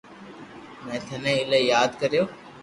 مي ٺني ايلائي ياد ڪريو